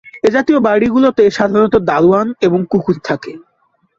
এ জাতীয় বাড়িগুলোতে সাধারণত দারোয়ান এবং কুকুর থাকে।